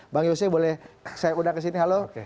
bang yose boleh saya undang ke sini halo